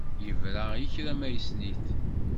Yebra i kra ma yessen-it.